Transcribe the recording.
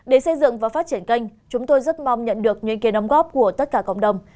để xây dựng và phát triển kênh chúng tôi rất mong nhận được những kiến đóng góp của tất cả cộng đồng